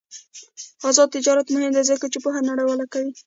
آزاد تجارت مهم دی ځکه چې پوهه نړیواله کوي.